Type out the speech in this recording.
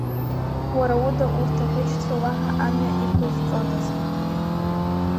Уара уда урҭ аӷьычцәа уаҳа амҩа иқәызҵодаз…